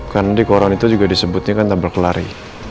karena di koron itu juga disebutnya kan tabel kelari